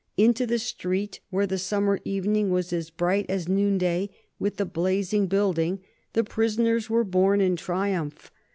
Into the street, where the summer evening was as bright as noonday with the blazing building, the prisoners were borne in triumph.